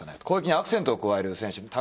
攻撃にアクセントを加える選手